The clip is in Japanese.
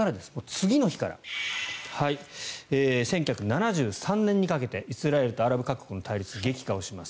次の日から１９７３年にかけてイスラエルとアラブ各国の対立が激化します。